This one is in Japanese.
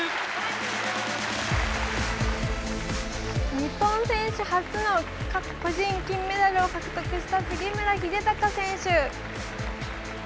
日本選手初の個人金メダルを獲得した杉村英孝選手。